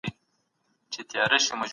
ډیپلوماټان ولي د رایې ورکولو حق تضمینوي؟